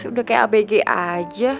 udah kayak abg aja